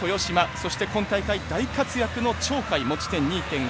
そして今大会大活躍の鳥海持ち点２．５。